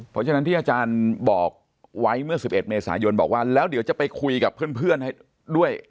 เพราะฉะนั้นที่อาจารย์บอกไว้เมื่อ๑๑เมษายนบอกว่าแล้วเดี๋ยวจะไปคุยกับเพื่อนให้ด้วย